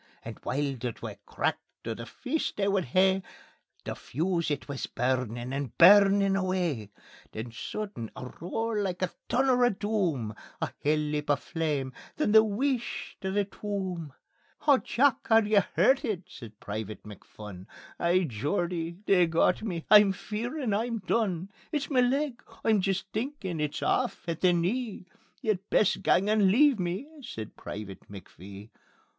And while the twa cracked o' the feast they would hae, The fuse it wis burnin' and burnin' away. Then sudden a roar like the thunner o' doom, A hell leap o' flame ... then the wheesht o' the tomb. "Haw, Jock! Are ye hurtit?" says Private McPhun. "Ay, Geordie, they've got me; I'm fearin' I'm done. It's ma leg; I'm jist thinkin' it's aff at the knee; Ye'd best gang and leave me," says Private McPhee.